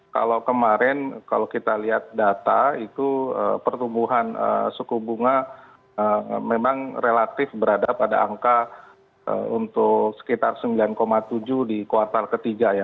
kalau kemarin kalau kita lihat data itu pertumbuhan suku bunga memang relatif berada pada angka untuk sekitar sembilan tujuh di kuartal ketiga ya